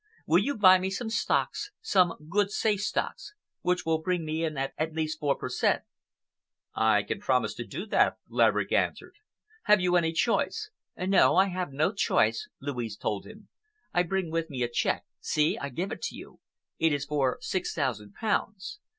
Will you buy me some stocks,—some good safe stocks, which will bring me in at least four per cent?" "I can promise to do that," Laverick answered. "Have you any choice?" "No, I have no choice," Louise told him. "I bring with me a cheque,—see, I give it to you,—it is for six thousand pounds.